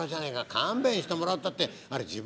「勘弁してもらうったってあれ自分の子だよ」。